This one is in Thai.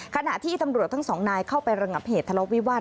ขณะที่ตำรวจทั้งสองนายเข้าไประงับเหตุทะเลาะวิวาส